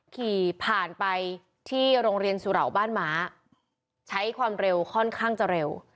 ขี่ผ่านไปที่โรงเรียนสุเหล่าบ้านม้าใช้ความเร็วค่อนข้างจะเร็ว